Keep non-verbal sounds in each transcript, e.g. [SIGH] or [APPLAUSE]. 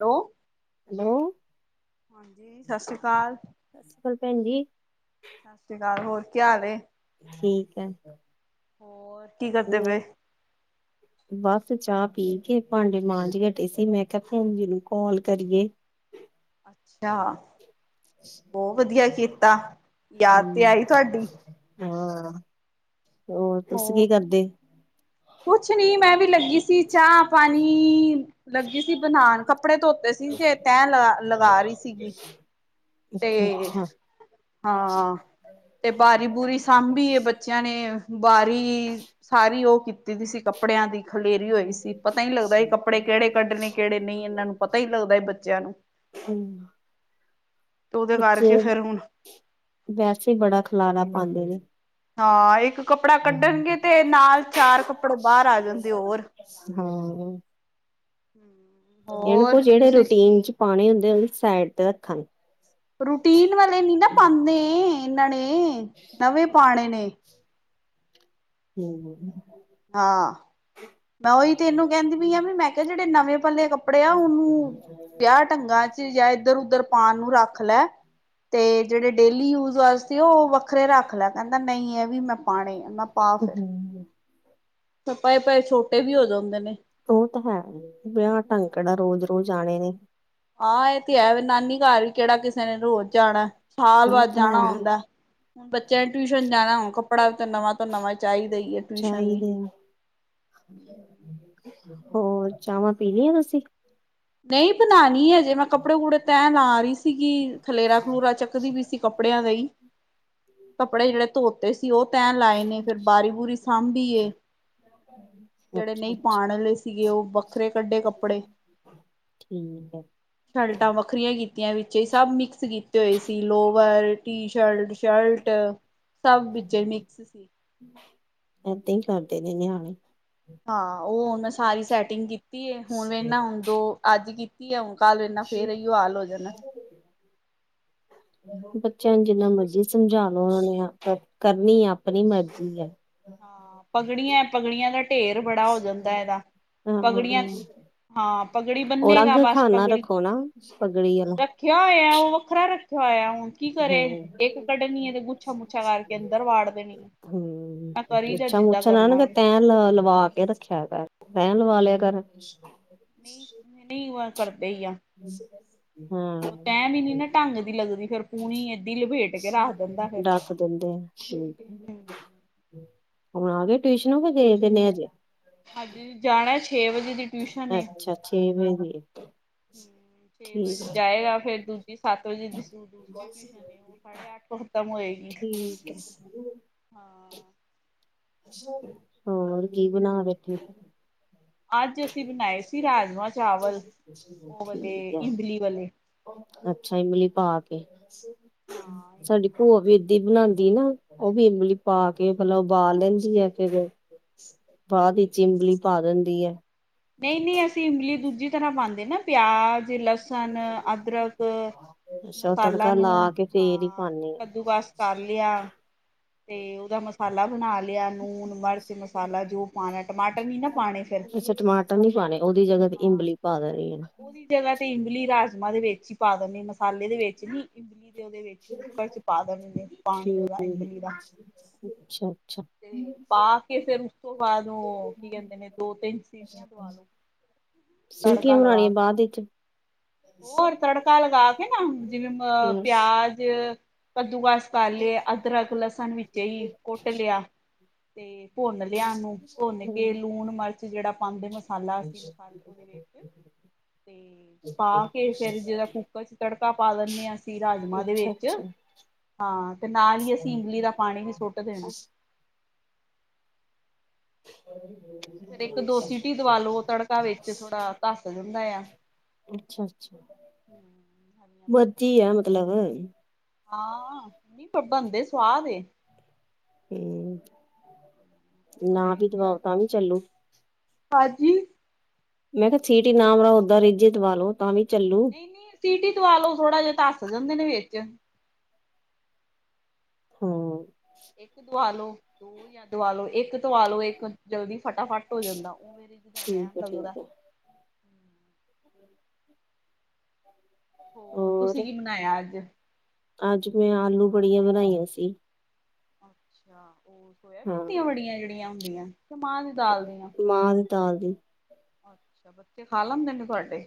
ਲੋ hello ਸਸ ਸ੍ਰੀ ਕਾਲ। ਸ ਕਾਲ ਭੈਣ ਜੀ। ਸਸ ਸ੍ਰੀ ਕਾਲ ਹੋਰ ਕੀ ਹਾਲ ਏ? ਠੀਕ ਐ। ਹੋਰ ਕੀ ਕਰਦੇ ਪੇ? ਬਸ ਚਾਹ ਪੀ ਕੇ ਭਾਂਡੇ ਮਾਂਜ ਕੇ ਹੱਟੀ ਸੀ ਮੈਂ ਕਿਹਾ ਭੈਣਜੀ ਨੂੰ ਕਾਲ ਕਰੀਏ। ਅੱਛਾ, ਬੋਅ ਵਧੀਆ ਕੀਤਾ ਯਾਦ ਤੇ ਹੂੰ, ਆਈ ਤੁਹਾਡੀ। ਹਾਂ, ਹੋਰ ਤੁਸੀ ਕੀ ਕਰਦੇ? ਕੁਛ ਨੀ ਮੈਂ ਵੀ ਲੱਗੀ ਸੀ ਚਾ, ਪਾਨੀ ਲੱਗੀ ਸੀ ਬਨਾਨ, ਕੱਪੜੇ ਧੋਤੇ ਸੀ ਕੇ ਤੈ ਲਗਾ-ਲਗਾ ਰੀ ਸੀਗੀ। ਤੇ ਅੱਛਾ-ਅੱਛਾ, ਹਾਂ ਤੇ ਬਾਰੀ-ਬੂਰੀ ਸਾਂਭੀਏ ਬੱਚਿਆਂ ਨੇ ਬਾਰੀ ਸਾਰੀ ਉਹ ਕੀਤੀ ਦੀ ਸੀ ਕੱਪੜਿਆਂ ਦੀ ਖਲੇਰੀ ਹੋਈ ਸੀ ਪਤਾ ਏ ਨੀ ਲੱਗਦਾ ਕੱਪੜੇ ਕਿਹੜੇ ਕੱਢਣੇ ਕਿਹੜੇ ਨਈ ਇਹਨਾਂ ਨੂੰ। ਪਤਾ ਈ ਨੀ ਲੱਗਦਾ ਏ ਬੱਚਿਆਂ ਨੂੰ। ਹੂੰ ਤੇ ਉਹਦੇ ਬੱਚੇ, ਕਰਕੇ ਫੇਰ ਹੁਣ ਵੈਸੇ ਈ ਬੜਾ ਖਲਾਰਾ ਪਾਂਦੇ ਨੇ। ਹਾਂ ਇੱਕ ਕੱਪੜਾ ਕੱਢਣਗੇ ਤੇ ਨਾਲ ਚਾਰ ਕੱਪੜੇ ਬਾਰ ਆ ਜਾਂਦੇ ਔਰ। ਹਾਂ ਹੂੰ ਏਨੂੰ ਕੋ ਜਿਹੜੇ ਰੂਟੀਨ ਚ ਪਾਨੇ ਹੁੰਦੇ ਔਨੂੰ ਸਾਈਡ ਤੇ ਰੱਖਨ। ਰੂਟੀਨ ਵਾਲੇ ਨੀ ਨਾ ਪਾਂਦੇ ਇਨ੍ਹਾਂ ਨੇ, ਨਵੇਂ ਪਾਣੇ ਨੇ। ਹੂੰ ਹਾਂ। ਮੈਂ ਉਈ ਤੇ ਇਨੂੰ ਕਹਿੰਦੀ ਪੀ ਆ ਵੀ ਮੈਂ ਕਆ ਜਿਹੜੇ ਨਵੇਂ ਪਾਲੇ ਕੱਪੜੇ ਆ ਉਹਨੂੰ ਵਿਆਹ [INAUDIBLE] ਢੰਗਾਂ ਚ ਯਾ ਏਧਰ ਉਧਰ ਪਾਨ ਨੂੰ ਰੱਖ ਲੈ। ਤੇ ਜੇੜੇ ਡੇਲੀ ਯੂਜ ਵਾਸਤੇ ਉਹ ਵੱਖਰੇ ਰੱਖ ਲੈ ਕਹਿੰਦਾ ਨਈ ਇਹ ਵੀ ਮੈਂ ਪਾਣੇ ਐ। ਹ ਹੂੰ। ਫੇ ਪਏ-ਪਏ ਛੋਟੇ ਵੀ ਹੋ ਜਾਂਦੇ ਨੇ। ਉਹ ਤਾਂ ਹੈ ਈ ਵਿਆਹ ਢੰਗ ਕਿਹੜਾ ਰੋਜ਼-ਰੋਜ਼ ਆਨੇ ਨੇ। ਆ ਇਹ ਤੇ ਐ ਵੇ ਨਾਨੀ ਘਰ ਵੀ ਕੇੜਾ ਕਿਸ ਕਿਸੇ ਨੇ ਰੋਜ਼ ਜਾਣਾ ਸਾਲ ਉਹ ਬਾਦ ਤਾਂ ਜਾਣਾ ਹੈ, ਹੁੰਦਾ ਬੱਚਿਆਂ ਨੇ ਟਿਊਸ਼ਨ ਜਾਣਾ ਹੁ ਕੱਪੜਾ 'ਤੇ ਨਵਾਂ ਤੋਂ ਨਵਾਂ ਚਾਈਦਾ ਈ। ਚਾਈਦੇ ਨੇ ਹੋਰ ਚਾਵਾਂ ਪੀਲੀਆਂ ਤੁਸੀਂ? ਨਈ ਬਣਾਨੀ ਅਜੇ ਮੈਂ ਕੱਪੜੇ- ਕੁਪੜੇ ਤੈਅ ਲਾ ਰਹੀ ਸੀਗੀ, ਖਲੇਰਾ- ਖਲੂਰਾ ਚੱਕ ਦੀ ਪਈ ਸੀ ਕੱਪੜਿਆਂ ਦਾ ਈ, ਕੱਪੜੇ ਜਿਅੜੇ ਧੋਤੇ ਸੀ, ਉਹ ਤੈਅ ਲਾਏ ਨੇ ਫੇਰ ਬਾਰੀ-ਬੁਰੀ ਸਾਂਭੀਏ! [UNINTELLIGIBLE] ਜਿਹੜੇ ਨਈ ਪਾਣ ਵਾਲੇ ਸੀਗੇ, ਉਹ ਵੱਖਰੇ ਕੱਢੇ ਕੱਪੜੇ ਠੀਕ ਐ। ਸ਼ਰਟਾਂ ਵੱਖਰੀਆਂ ਕੀਤੀਆਂ, ਵਿੱਚੇ ਸਭ ਮਿਕਸ ਕੀਤੇ ਹੋਏ ਸੀ, ਲੋਵਰ, ਟੀ ਸ਼ਰਟ ਸ਼ਰਟ, ਸਭ ਵਿੱਚੇ ਮਿਕਸ ਏਦਾਂ ਈ ਕਰਦੇ ਨੇ ਨਿਆਣੇ। ਹਾਂ ਓ ਓਨਾ ਸਾਰੀ ਸੈਟਿੰਗ ਕੀਤੀ ਏ, ਹੁਣ ਵੇ ਨਾ ਉਦੋਂ ਅੱਜ ਕੀ ਕੀ [INAUDIBLE] ਕਾਲ ਇਨਾ, ਫਿਰ ਏਹੀ ਹਾਲ ਹੋ ਜਾਨਾ। [UNINTELLIGIBLE] ਬੱਚਿਆਂ ਨੂੰ ਜਿੰਨਾ ਮਰਜੀ ਸਮਝਾ ਲੋ, ਕਰਨੀ ਆ ਆਪਣੀ ਮਰਜ਼ੀ ਆ। ਹਾਂ ਪਗੜੀਆਂ- ਪਗੜੀਆਂ ਦਾ ਢੇਰ ਬੜਾ ਹੋ ਜਾਂਦਾ ਏਦਾ। ਹਾਂ ਪਗੜੀਆਂ, ਹਾਂ ਪਗੜੀ ਉਹ ਬੰਨੇਗਾ, ਅਲੱਗ ਬਸ ਖਾਨਾ ਪਗੜੀ ਰੱਖੋ ਨਾ ਪਗੜੀ ਵਾਲਾ ਕਿਆ ਹੋਇਆ, ਉਹ ਵੱਖਰਾ ਰੱਖਿਆ ਹੋਇਆ ਹੁਣ। ਕੀ ਕਰੇ, ਹਮ ਇੱਕ ਕੱਢਣੀ ਆ ਤੇ ਗੁੱਛਾ- ਮੁੱਛਾ ਕਰਕੇ ਅੰਦਰ ਵਾੜ ਦੇਣੀ। ਹਮ, ਮੈਂ ਕਰੀ ਜਾ ਗੁਛਾ- ਜਿੱਦਾਂ ਮੁਛਾਂ ਨਾ ਕਰਨਾ ਨ ਵੇ ਤੈਅ ਲਵਾ ਕੇ ਛਾਬਸ, ਰਹਿਣ ਵਾਲਿਆ ਕਰ। ਨਹੀਂ- ਨਹੀਂ ਕਰਦੇ ਈ ਆ ਹਾਂ ਉ ਟੈਮ ਈ ਨੀ ਨਾ। ਢੰਗ ਦੀ ਲੱਗਦੀ ਫੇਰ ਪੂਣੀ ਏਦੀ ਲਪੇਟ ਕੇ ਰੱਖ ਦਿੰਦਾ ਹੇ। ਰੱਖ ਦਿੰਦੇ ਹੁਣ ਆ ਗਏ ਟਿਊਸ਼ਨੋ ਕੇ ਗ ਦੇ ਨੇ ਹਜੇ। ਹਾਂਜੀ ਜਾਣਾ, ਛੇ ਵਜੇ ਦੀ ਟਿਊਸ਼ਨ ਨੇ। ਅੱਛਾ ਛੇ ਵਜੇ ਦੀ ਹੈ ਛੇ ਠੀਕ ਵਜੇ ਹੈ ਜਾਏਗਾ, ਫੇਰ ਦੂਜੇ ਸਤ ਵਜੇ ਦੂਸਰੀ ਟਿਊਸ਼ਨ ਐ, ਉਹ ਸਾਡ ਅਠ ਕੋ ਖਤਮ ਹੋਏਗੀ। ਠੀਕ ਐ। ਹਾਂ! ਹੋਰ ਕੀ ਬਣਾ ਬੈਠੇ। ਅੱਜ ਅਸੀਂ ਬਣਾਏ ਸੀ ਰਾਜਮਾਂ ਚਾਵਲ, ਉਹ ਵਾਲੇ, ਠੀਕ ਹੈ ਇਮਲੀ ਵਾਲੇ। ਅੱਛਾ, ਇਮਲੀ ਪਾ ਕੇ, ਹਾਂ ਸਾਡੀ ਇਮਲੀ ਭੂਆ ਵਾਲੇ ਵੀ ਇ ਬਣਾਦੀ ਨਾ, ਉਹ ਇਮਲੀ ਪਾ ਕੇ ਪਹਿਲਾਂ ਉਬਾਲ ਲੈਂਦੀ ਆ। ਫਿਰ ਬਾਅਦ ਵਿੱਚ ਇਬਲੀ ਪਾ ਦਿੰਦੀ ਐ। ਨਈ- ਨਈ ਅਸੀਂ ਇਮਲੀ ਦੂਜੀ ਤਰ੍ਹਾਂ ਪਾਂਦੇ ਨਾ। ਪਿਆਜ, ਲਸਣ, ਅਦਰਕ ਮਸਾਲਾ ਨੂੰ ਕਿ ਫੇਰ ਈ ਹਾਂ ਪਾਨੇ ਆ। ਕੱਦੂਕਸ ਕਰ ਲਿਆ, ਤੇ ਉਹਦਾ ਮਸਾਲਾ ਬਣਾ ਲਿਆ। ਲੂਣ, ਮਰਚ, ਮਸਾਲਾ ਜੋ ਪਾਣਾ, ਟਮਾਟਰ ਨੀ ਨਾ ਪਾਣੇ ਫਿਰ। ਅੱਛਾ ਟਮਾਟ ਰ ਨੀ ਪਾਣੇ, ਉਹਦੀ ਜਗਾ ਤੇ ਇੰਮਲੀ ਪਾ ਦੇਣੀ ਆ। ਉਦੀ ਜਗ੍ਹਾ ਤੇ ਇਮਲੀ ਰਾਜਮਾਂ ਦੇ ਵਿੱਚ ਈ ਪਾ ਦੇਣੀ, ਮਸਾਲੇ ਦੇ ਵਿੱਚ ਨੀ ਇਮਲੀ ਦੇ ਓਦੇ ਵਿੱਚ ਕੁੱਕਰ ਚ ਪਾ ਦੇਣੇ ਨੇ ਠੀਕ, ਪਾਣੀ ਓਦਾ ਇਮਲੀ ਦਾ। ਅੱਛਾ। ਅੱਛਾ ਤੇ ਪਾ ਕੇ ਫੇਰ ਉਸ ਤੋਂ ਬਾਦ ਓ ਕੀ ਕੈਂਦੇ ਨੇ ਦੋ ਤਿੰਨ ਸੀਟੀਆਂ ਦਵਾ ਲੋ। ਤੜਕਾ ਸੀਟੀਆਂ ਲਗਾ ਬਣਾਣੀਆਂ ਕੇ। ਬਾਦ ਇਚ। ਹੋਰ ਤੜਕਾ ਲਗਾ ਕੇ ਨਾ, ਜਿਵੇਂ ਅ ਅੱਛਾ ਪਿਆਜ ਕੱਦੂਕਾਸ ਕਰ ਲਿਆ ਅਦਰਕ, ਲਸਣ ਵਿੱਚੇ ਈ ਕੁੱਟ ਲਿਆ। ਤੇ ਭੁੰਨ ਲਿਆ ਓਨੂੰ ਭੁੰਨ ਕੇ ਲੂਣ, ਮਰਚ ਜੇੜਾ ਪਾਂਦੇ ਨੇ ਓ [UNINTELLIGIBLE] ਸੀ ਮਸਾਲ ਓਦੇ ਵਿੱਚ, ਤੇ। ਪਾ ਕੇ ਫੇਰ ਜੇੜਾ ਕੁੂਕਰ ਚ ਤੜਕਾ ਪਾ ਦੱਨੇ ਆਂ ਅਸੀਂ ਰਾਜਮਾਂ ਦੇ ਅੱਛਾ ਵਿੱਚ। ਹਾਂ ਤੇ ਨਾਲ ਈ ਅਸੀਂ ਇਮਲੀ ਦਾ ਪਾਣੀ ਵੀ ਸੁੱਟ ਦੇਣਾ। [INAUDIBLE] ਫੇਰ ਇੱਕ ਦੋ ਸਿਟੀ ਦਵਾ ਲੋ ਤੜਕਾ ਵਿੱਚ ਥੋੜਾ ਧੱਸ ਜੰਦਾ ਏਆ। ਅੱਛਾ-ਅੱਛਾ, ਹਰੀਆਂ ਮਿਰਚਾਂ ਮਰਜੀ ਐ ਪਾਣੀ ਮਤਲਬ। ਹਾਂ, ਨਈਂ ਪਰ ਬਣਦੇ ਸੁਆਦ ਏ। ਹੂੰ। ਓ ਬਣਾਏ ਸੀ ਅੱਜ, ਹਾਜੀ। ਮੈਂ ਕਿਆ ਸੀਟੀ ਨਾ ਮਰਾਓ ਓਦਾਂ ਰਿੱਜੇ ਦਵਾ ਲੋ ਤਾਂ ਵੀ ਚੱਲੂ। ਨਈਂ-ਨਈਂ ਸੀਟੀ ਦਵਾ ਲੋ ਥੋੜਾ ਜਾ ਧੱਸ ਜਾਂਦੇ ਨੇ ਵਿੱਚ। ਹੂੰ। ਇੱਕ ਦਵਾ ਲੋ, ਦੋ ਯਾਂ ਦਵਾ ਲੋ ਇੱਕ ਧੁਆ ਲੋ ਇੱਕ ਜਲਦੀ ਫਟਾਫਟ ਹੋ ਜਾਂਦਾ ਓਵੇਂ ਦੀ [UNINTELLIGIBLE] ਠੀਕ ਟੈਮ ਹੈ ਲਗਦਾ। ਠੀਕ ਹੈ ਹੋਰ ਤੁਸੀਂ ਕੀ ਬਨਾਏਆ ਅੱਜ? ਅੱਜ ਮੈਂ ਆਲੂ ਬੜੀਆਂ ਬਣਾਈਆਂ ਸੀ। ਅੱਛਿਆ ਓ ਸੋਇਆ ਬੀਨ ਹਾਂ। ਦੀਆਂ ਬੜੀਆਂ ਜੇੜੀਆਂ ਹੁੰਦੀਐ ਮਾਨ-ਤਾਨ ਦੀ। ਅੱਛਿਆ, ਬੱਚੇ ਖਾ ਲੈਂਦੇ ਨੇ ਤੁਆਡੇ?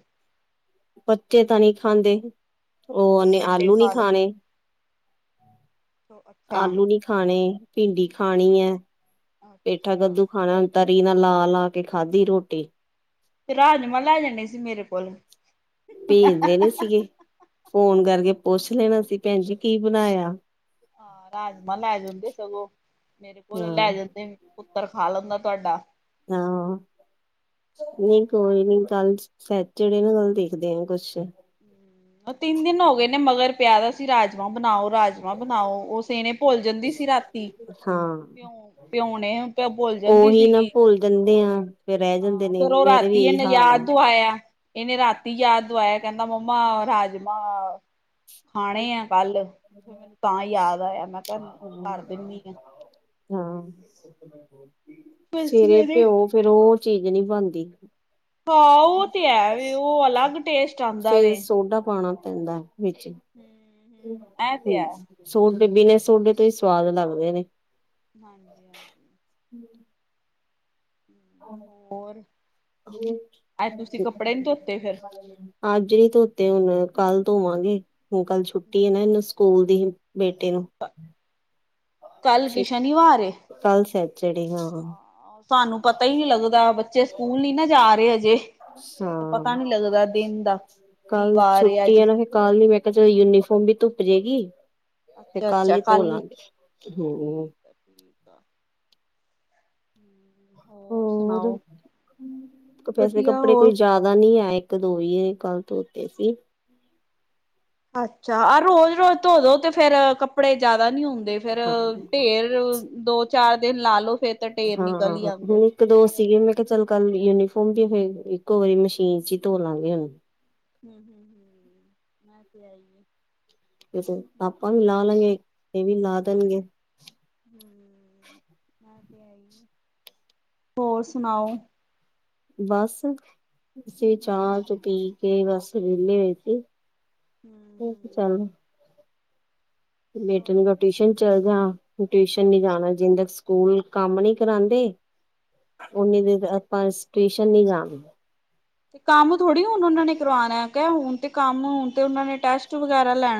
ਬੱਚੇ ਤਾਂ ਨੀ ਖਾਂਦੇ ਓ ਓਨੇ ਵੱਡੇ ਆਲੂ ਨੀ ਖਾ ਲੈਣ ਖਾਨੇ। ਅੱਛਾ ਆਲੂ ਨੀ ਖਾਣੇ, ਭਿੰਡੀ ਖਾਣੀ ਐ, ਪੇਠਾ ਅੱਛਾ ਕੱਦੂ ਖਾਣਾ ਤਰੀ ਨਾ ਲਾ ਲਾ ਕੇ ਖਾਦੀ ਰੋਟੀ। ਫੇਰ ਰਾਜਮਾ ਲੈ ਜਾਣੇ ਸੀ ਮੇਰੇ ਕੋਲੋਂ। ਭੇਜ ਦੇਨੇ ਸੀਗੇ, ਫੋਨ ਕਰਕੇ ਪੁੱਸ਼ ਲੈਣਾ ਸੀ ਭੈਣ ਜੀ ਕੀ ਬਣਾਏਆ? ਹਾਂ ਰਾਜਮਾਂ ਲੈ ਜਾਂਦੇ ਸਗੋਂ, ਮੇਰੇ ਕੋਲੋ ਹਾਂ। ਲੈ ਜਾਂਦੇ। ਪੁੱਤਰ ਖਾ ਲੰਦਾ ਤੁਆਡਾ। ਹਾਂ। ਨਈਂ ਕੋਈ ਨੀ ਕੱਲ ਸੈਚਰਡੇ ਨੂੰ ਕਲ ਦੇਖਦੇ ਆ ਕੁਸ਼। ਅ ਤਿੰਨ ਦਿਨ ਹੋ ਗਏ ਨੇ ਮਗਰ ਪਿਆ ਦਾ ਸੀ ਰਾਜਮਾਂ ਬਣਾਓ ਰਾਜ ਬਣਾਓ ਉਸੇ ਨੇ ਭੁੱਲ ਜੰਦੀ ਸੀ ਰਾਤੀ, ਭਿਓਂ ਭਿਓਨੇ। ਓਹੀ ਨਾ ਭੁੱਲ ਜੰਦੇ ਆਂ। ਹਾਂ ਫੇਰ ਓ ਰਾਤੀ ਏਨੇ ਯਾਦ ਦੁਆਏਆ। ਏਨੇ ਰਾਤੀ ਯਾਦ ਦੁਆਏਆ ਕੇਂਦਾ ਮੰਮਾ ਰਾਜਮਾ ਖਾਣੇ ਐ ਕੱਲ ਫੇ ਮੈਨੂੰ ਤਾਂ ਯਾਦ ਆਏਆ ਮੈਂ ਕਿਆ ਧਰ ਦਿੰਨੀ ਆ। ਹਾਂ, ਸਵੇਰੇ ਭਿਓਂ ਫੇਰ ਓ ਚੀਜ ਨੀ ਬਣਦੀ। ਹਾਂ ਉਹ ਤੇ ਹੈ ਵੇ ਉਹ ਅਲੱਗ ਟੇਸਟ ਆਂਦਾ ਵੇ ਫੇਰ ਸੋਡਾ ਪਾਣਾ ਪੈਂਦਾ ਵਿੱਚ। ਹੂੰ। ਹੂੰ, ਸੋਡੇ ਬਿਨੇ ਸੋਡੇ ਤੋਂ ਈ ਸਵਾਦ ਲੱਗਦੇ ਨੇ। ਹਾਂਜੀ-ਹਾਂਜੀ। [UNINTELLIGIBLE] [UNINTELLIGIBLE] ਹੋਰ ਅੱਜ ਤੁਸੀਂ ਕੱਪੜੇ ਨੀ ਧੋਤੇ ਫਿਰ ਅੱਜ ਨੀ ਧੋਤੇ ਹੁਣ ਕੱਲ ਤੋਂਵਾਂਗੇ। ਹੁਣ ਕੱਲ ਛੁੱਟੀ ਐ ਨਾ ਇਹਨੂੰ ਸਕੂਲ ਦੀ ਬੇਟੇ ਨੂੰ। [UNINTELLIGIBLE] ਕੱਲ ਕੀ ਸ਼ਨੀਵਾਰ ਏ ਕੱਲ ਸਹਿਚੜਡੇ, ਹਾਂ। ਤੁਹਾਨੂੰ ਪਤਾ ਹੀ ਨਹੀਂ ਲੱਗਦਾ ਬੱਚੇ ਸਕੂਲ ਨੀ ਨਾ ਜਾ ਰਹੇ ਹਜੇ। ਸਾ, ਕੀ ਕੱਲ ਵਾਰ ਏ ਅੱਜ ਛੁੱਟੀਐ ਨਾ ਫ ਕੱਲ ਨੁ ਮੈਂ ਕਿਹਾ ਚਲੋ ਯੂਨੀਫਾਰਮ ਵੀ ਧੁੱਪ ਜੇਗੀ। ਫੇਰ ਕੱਲ ਈ ਤੋਂ ਲਾਂ ਗੀ, ਹੁੰ। ਠੀਕ ਆ ਠੀਕ ਆ। ਹੁੰ, ਹ ਹੋਰ, ਵੈਸੇ ਵਧੀਆ ਕੱਪੜੇ ਕੋਈ ਹੋਰ ਜ਼ਿਆਦ ਦਾ ਨੀ ਐ, ਇੱਕ ਦੋ ਵੀ ਕੱਲ ਤੋਂਤੇ ਸੀ। ਅੱਛਾ, ਆਹ ਰੋਜ਼ ਰੋਜ਼ ਧੋ ਦੋ ਤੇ ਫੇਰ ਕੱਪੜੇ ਜਿਆਦਾ ਨੀ ਹੁੰ ਤੇ ਫੇਰ ਹਾਂ ਟੇਰ ਦੋ ਚਾਰ ਦਿਨ ਲਾ ਲੋੋ ਫੇਰ ਤਾਂ ਟੇਰ ਨਿਕਲ ਹੀ ਹਾਂ ਆਂਦੇ ਹੁਣ ਨੇ। ਇੱਕ ਦੋ ਸੀਗੇ ਮੈਂ ਕਹਿ ਚੱਲ ਕੱਲ ਯੂਨੀਫੋਮ ਵੀ ਫੇਰ ਇੱਕੋ ਵਾਰੀ ਮਸ਼ੀਨ ਚੀ ਧੋ ਲਾਂਗੇ ਹੁੰ, ਹੁੰ, ਹੁੰ, ਐ ਤੇ ਹੈ ਈ ਐ। ਆਪਾਂ ਵੀ ਲਾ ਲਾਂਗੇ ਇਹ ਵੀ ਲਾ ਦੇਣਗੇ [UNINTELLIGIBLE] ਹੋਰ ਸੁਣਾਓ? ਬਸ ਅਸੀਂ ਵੀ ਚਾਹ ਵਧੀਆ ਚੂ ਪੀ ਕੇ ਬਸ ਵਿਹਲੇ ਹੋਏ ਸੀ। ਠੀਕ ਚੱਲ ਹੂੰ-ਹੂੰ ਬੇਟੇ ਨੂ ਚਲੋ ਮੈਂ ਟਿਊਸ਼ਨ ਚੱਲ ਜਾ, ਟਿਊਸ਼ਨ ਨੀ ਜਾਣਾ ਜਿਨ ਤਕ ਸਕੂਲ ਕੰਮ ਨੀ ਕਰਾਂਦੇ ਉਨੀੇ ਦੇਰ ਆਪਾਂ ਟਿਊਸ਼ਨ ਨਹੀਂ ਜਾਂਗੇ। ਤੇ ਕੰਮ ਥੋੜ੍ਹੀ ਹੁਣ ਉਹਨਾਂ ਨੇ ਕਰਵਾਣੈ, ਕਹ ਹੁਣ ਤੇ ਕੰਮ ਹੁਣ ਤੇ ਉਹਨਾਂ ਨੇ ਟੈਸਟ ਵਗੈਰਾ ਲੈਣ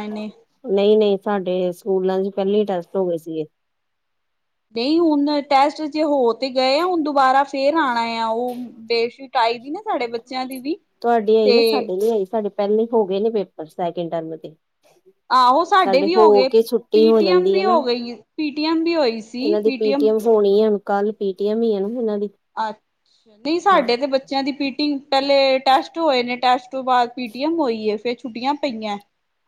ਨਹੀਂ ਨਹੀਂ ਸਾਡੇ ਸਕੂਲਾਂ ਚ ਪਹਿਲੇ ਈ ਟੈਸਟ ਹੋ ਗਏ ਸੀਗੇ। ਨਹੀਂ ਹੁਣ ਟੈਸਟ ਜੇ ਹੋ ਤੇ ਗਏ ਆ ਹੁਣ ਦੁਬਾਰਾ ਫੇਰ ਆਣਾ ਆ ਉਹ ਡੇਟ ਸ਼ੀਟ ਆਈ ਦੀ ਨਾ ਸਾਡੇ ਬੱਚਿਆਂ ਦੀ ਵੀ, ਤੁਹਾਡੀ ਆਈ ਤੇ ਨਾ ਸਾਡੇ ਨੀ ਆਈ ਸਾਡੇ ਪਹਿਲੇ ਹੋ ਗਏ ਨੇ ਪੇਪਰ ਸੈਕਿੰਡ ਟਰਮ ਦੇ ਆਹੋ ਸਾਡੇ ਵੀ ਹੋ ਗਏ ਕੇ ਛੁੱਟੀ ਹੋ ਪੀ-ਟੀ-ਐਮ ਜਾਂਦੀ ਹੈ ਵੀ ਨਾ ਹੋ ਗਈ, ਪੀ-ਟੀ-ਐਮ ਵੀ ਹੋਈ ਸੀ ਇਹਨਾਂ ਦੀ ਪੀ-ਟੀ-ਐਮ ਹੋਣੀ ਆ, ਕੱਲ ਪੀ-ਟੀ-ਐਮ ਈ ਐ ਨਾ ਉਹਨਾਂ ਦੀ ਅੱਛਾ, ਨਹੀਂ ਹਾਂ ਸਾਡੇ ਤੇ ਬੱਚੇ ਚਿਆਂ ਦੀ ਪੀ-ਟੀ ਪਹਿਲੇ ਟੈਸਟ ਹੋਏ ਨੇ ਟੈਸਟ ਤੋਂ ਬਾਅਦ ਪੀ-ਟੀ-ਐਮ ਹੋਈ ਫੇਰ ਛੁੱਟੀਆਂ ਪਈਆਂ।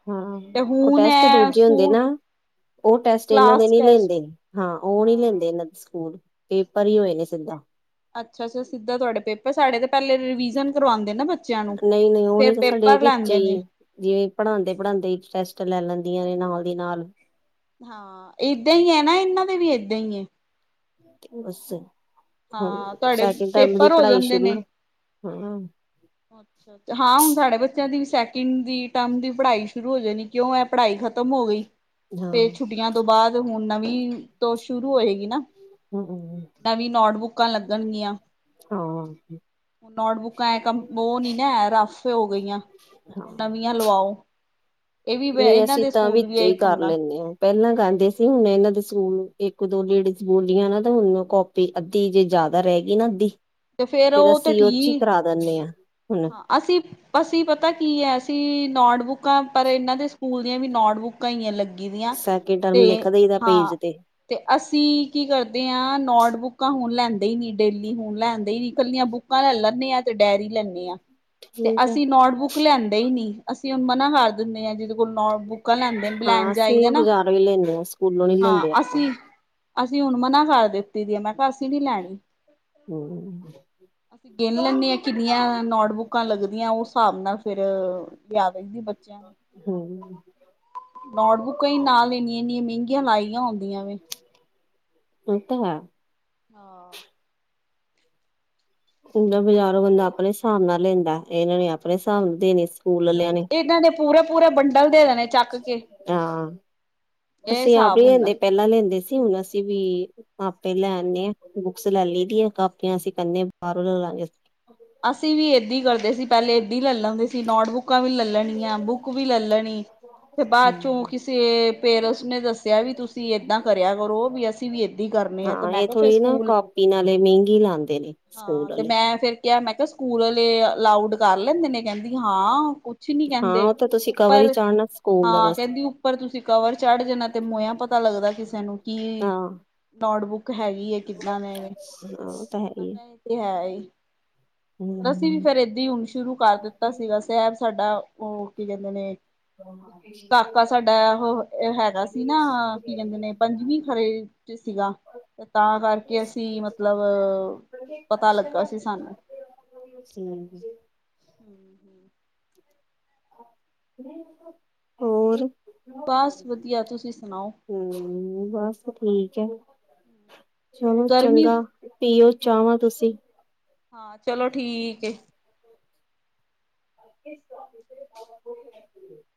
ਹਾਂ, ਤੇ ਉਹ ਹੁਣ ਟੈਸਟ ਹੈ ਦੂਜੇ ਹੁੰਦੇ ਸਕੂਲ ਨਾ। ਉਹ ਟੈਸਟ ਇਹਨਾਂ ਦੇ ਕਲਾਸ ਨੀ ਟੈਸਟ ਲੈਂਦੇ ਹਾਂ ਉਹ ਨਹੀਂ ਹਾਂ ਲੈਂਦੇ ਇਹਨਾਂ ਦੇ ਸਕੂਲ ਪੇਪਰ ਹੀ ਹੋਏ ਅੱਛਾ ਨੇ ਸਿੱਧਾ ਅੱਛਾ-ਅੱਛਾ, ਸਿੱਧਾ ਤੁਹਾਡੇ ਪੇਪਰ ਸਾਡੇ ਤੇ ਪਹਿਲੇ ਰਿਵੀਜ਼ਨ ਕਰਵਾਉਂਦੇ ਨਾ ਬ ਨਹੀਂ ਨਹੀਂ ਉਹ ਨਹੀਂ ਤਾਂ ਸਾਡੇ ਵਿੱਚ ਨੇ ਹੀ ਜਿਵੇਂ ਪੜਾਂਦੇ ਪੜਾਂਦੇ ਈ ਟੈਸਟ ਲੈ ਲੈਂਦੀਆਂ ਨੇ ਨਾਲ ਦੀ ਨਾਲ ਹਾਂ, ਏਦਾਂ ਈ ਐ ਨਾ ਇਹਨਾਂ ਦੇ ਵੀ ਏਦਾਂ ਈ ਐ। ਬਸ ਹੁਣ ਹਾਂ ਤੁਹਾਡੇ ਸੈਕਿੰਡ ਟਰਮ ਦੀ ਪੇਪਰ ਹੋ ਪੜ੍ਹਾਈ ਜਾਂਦੇ ਨੇ ਸ਼ੁਰੂ, ਹਾਂ ਹਾਂ ਹੁਣ ਸਾਡੇ ਬੱਚਿਆਂ ਦੀ ਵੀ ਸੈ ਕਿੰਡ ਦੀ ਟਰਮ ਦੀ ਪੜਾਈ ਸ਼ੁਰੂ ਹੋ ਜਾਨੀ ਕਿਉਂ ਏ ਪੜਾਈ ਖਤਮ ਹੋ ਗਈ ਤੇ ਹਾਂ ਛੁੱ ਛੁੱਟੀਆਂ ਤੋਂ ਬਾਦ ਹੁਨ ਨਵੀ ਤੋਂ ਸ਼ੁਰੂ ਹੋਏਗੀ ਨਾ। ਹਾਂ ਨਵੀ ਨੋਟਬੁੱਕਾਂ ਲੱਗਨਗੀਆਂ। ਨੋਟਬੁੱਕਾਂ ਐ ਕੰਮ ੳਹ ਨੀ ਨਾ ਹੈ ਰਫ ਹੋ ਗਈਆਂ, ਹੁਨ ਨਵੀਆਂ ਲਵਾਓ ਇਹ ਵੀ ਨਈ ਇਹਨਾਂ ਅਸੀ ਦੇ ਤਾਂ ਸਕੂਲ ਵੀ ਵਿੱਚੇ ਇਹ ਈ ਕਰ ਪੰਗਾ ਲੈਂਨੇ ਆਂ। ਪਹਲਾਂ ਕੈਂਦੇ ਸੀ ਹੁਨ ਏਨਾਂ ਦੇ ਸਕੂਲ ਇੱਕ ਦੋ ਲੇਡੀਜ਼ ਬੋਲੀਆਂ ਨਾ ਤੇ ਹੁਨ ੳ ਕੋਪ ਤੇ ਅੱਧੀ ਜੇ ਜਾਦਾ ਰੈ ਗਈ ਨਾ ਅੱਧੀ, ਤੇ ਫੇਰ ਉਹ ਅਸੀ ੳਸ ਚ ਈ ਕਰਾ ਦੈਨੇ ਆ ਹੁਨ ਅਸੀ ਅਸੀ ਪਤਾ ਕੀ ਐ ਅਸੀ ਨੋਟਬੁੱਕਾਂ ਪਰ ਏਨਾਂ ਦੇ ਸਕੂਲ ਦੀਆਂ ਵੀ ਨੋਟਬੁੱਕ ਕਾ ਈ ਆਂ ਲੱਗੀ ਦੀਆਂ ਸੈਕਿੰਡ ਤੇ ਟਰਮ ਲਿਖ ਦਈਦਾ ਹਾਂ ਪੇਜ ਤੇ ਅਸੀ ਕੀ ਕਰਦੇ ਆਂ ਨੋਟਬੁੱਕਾਂ ਹੁਨ ਲੈਂਦੇ ਈ ਨੀ ਡੇਲੀ ਹੁਨ ਲੈਂਦੇ ਨੀ ਕੱਲੀਆਂ ਬੁੱਕ ਕਾਂ ਲੈ ਲੈਂਨੇ ਆਂ ਤੇ ਡੈਰੀ ਲੈਂਨੇ ਆ ਤੇ ਠੀਕ ਹੈ ਅਸੀ ਨੋਟਬੁੱਕ ਲੈਂਦੇ ਈ ਨੀ। ਅਸੀ ਹੁਨ ਮਨਾ ਕਰ ਦੇਨੇ ਆਂ ਜਿਦੇ ਕੋਲ ਨੋਟਬੁੱਕ ਕਾਂ ਲੈਂਦੇ ਨੇ ਲੈਨ ਹਾਂ ਜਾਈਦਾ ਅਸੀਂ ਨਾ, ਬਾਜ਼ਾਰ ਵੀ ਲੈਂਦੇ ਹਾਂ ਸਕੂਲੋਂ ਨੀ ਹਾਂ ਲੈਂਦੇ ਆਪਾਂ ਅਸੀ ਅਸੀ ਹੁਨ ਮਨਾ ਕਰ ਦਿੱਤੀ ਦੀ ਏ। ਮੈਂ ਕੈਆ ਅਸੀਂ ਨੀ ਲੈਨੀ। ਹੂੰ ਅਸੀ ਗਿਨ ਲੈਂਨੇ ਆ ਕਿੰਨੀਆਂ ਨੋਟ ਬੁੱਕਾਂ ਲੱਗਦੀਆਂ ੳਸ ਸਾਬ ਨਾਲ ਫੇਰ ਲਿਆ ਦਈ ਦੀ ਬੱਚੇਆਂ ਨੂੰ। ਹਮ ਨੋਟਬੁੱਕਾਂ ਈ ਨਾਲ ਏਨੀ- ਏਨੀਆਂ ਮੇਂਗੀਆਂ ਲਾਈਆਂ ਹੁੰਦੀਆਂ ਵੇ ਏ ਤਾਂ ਹੈ। ਹਾਂ ਸਿਧਾ ਬਾਜਾਰੋਂ ਬੰਦਾ ਅਪਣੇ ਸਾਬ ਨਾਲ ਲੈਂਦਾ ਏਨਾਂ ਨੇ ਅਪਣੇ ਸਾਬ ਦੇਨੇ ਸਕੂਲ ਅਲਯਾ ਨੇ। ਏਨਾਂ ਨੇ ਪੂਰੇ- ਪੂਰੇ ਬੰਡਲ ਦੇ ਦੇਨੇ ਚੱਕ ਕੇ। ਇਹ ਅਸੀ ਆਪ ਨੀ ਹਿਸਾਬ ਹੁੰਦਾ ਲੈਂਦੇ, ਪੇਲਾਂ ਲੈਂਦੇ ਸੀ ਹੁਨ ਅਸੀ ਵੀ ਆਪੇ ਲੈ ਅਨੇ ਆ, ਬੁੱਕਸ ਲੈ ਲੀ ਦੀਆਂ ਕਾਪੀਆਂ ਅਸੀ ਕੈਨੇ ਬਾਹਰੋਂ ਲਲਾਗੇ ਅਸੀ। ਅਸੀ ਵੀ ਏਦੀ ਕਰਦੇ ਸੀ ਪੈਲੇ ੲਦੀ ਲੈ ਲੈਂਦੇ ਸੀ, ਨੋਟਬੁੱਕਾਂ ਵੀ ਲੈ ਲੈਨੀਆਂ, ਬੁੱਕ ਵੀ ਲੇਲ ਲੈਨੀ ਫੇਰ ਬਾਦ ਚੋਂ ਹੂੰ। ਕਿਸੇ ਪੇਰੈਸ ਨੇ ਦੱਸਿਆ ਵੀ ਤੁਸੀ ਏਦਾਂ ਕਰਆ ਕਰੋ ਵੀ ਅਸ ਅਸੀ ਵੀ ਏਦਾਂ ਈ ਕਰਨੇ ਆ ਤੇ ਹਾਂ ਮੈਂ ਇਹ ਕੇਆ ਫੇਰ ਥੋੜ੍ਹੀ ਨਾ ਸਕੂਲ, ਕਾਪੀ ਨਾਲੇ ਮਹਿੰਗੀ ਲਾਂਦੇ ਨੇ ਹਾਂ ਸਕੂਲ ਤੇ ਆਲੇ। ਮੈਂ ਫੇਰ ਕੇਆ ਮੈਂ ਕਿਆ ਸਕੂਲ ਆਲੇ ਅਲਾਊਡ ਕਰ ਲੈਂਦੇ ਨੇ, ਕੇੰਦੀ ਹਾਂ ਕੁ ਕੁਛ ਨੀ ਹਾਂ ਕੇੰਦੇ ਉਹ ਤਾਂ ਤੁਸੀਂ ਕਵਰ ਹੀ ਉਪਰ ਚਾੜਨਾ ਸਕੂਲ ਦਾ ਹਾਂ ਬਸ ਕੈੰਦੀ ਉਪਰ ਤੁਸੀ ਕਵਰ ਚੜ ਜਾਨਾ ਤੇ ਮੋਏਆ ਪਤਾ ਲੱਗਦਾ ਕਿਸੇ ਨੂੰ ਕੀ ਹਾਂ ਨੋਟਬੁੱਕ ਹੈਗੀ ਹੈ ਕਿੱਦਾਂ ਦੇ ਵੇ। ਹਾਂ ਉਹ ਤਾਂ ਹੈ ਮੈਂ ਹੀ ਹੈ। ਕਿਆ ਏ ਤੇ ਹੈ ਈ। ਅਸੀ ਵੀ ਹੂੰ। ਫੇਰ ਏਦਾਂ ਹੀ ਹੁਨ ਸ਼ੁਰੂ ਕਰ ਦਿੱਤਾ ਸੀਗਾ ਸਾਹੇਬ ਸਾਡਾ ਉਹ ਕੀ ਕੇੰਦੇ ਨੇ ਕਾਕਾ ਸਾਡਾ ੳ ਹੈਗਾ ਸੀ ਨਾ ਕੀ ਕੇੰਦੇ ਨੇ ਪੰਜਵੀਂ ਖਰੇ ਚ ਸੀਗਾ। ਤਾਂ ਕਰਕੇ ਅਸੀ ਮਤਲਬ ਪਤਾ ਲੱਗਾ ਸੀ ਸਾਨੂੰ। ਹੂੰ ਹੂੰ ਹੂੰ। ਹੋਰ ਬਸ ਵਧੀਆ। ਤੁਸੀ ਸੁਨਾਓ? ਹੂੰ ਬਸ ਠੀਕ ਐ। ਚਲੋ ਗਰਮੀ ਚੰਗਾ, ਪੀਓ ਚਾਵਾਂ ਤੁਸੀ। ਹਾਂ ਚਲੋ ਠੀਕ ਏ। [INAUDIBLE]